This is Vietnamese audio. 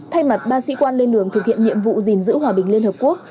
thay mặt ba sĩ quan lên đường thực hiện nhiệm vụ gìn giữ hòa bình liên hợp quốc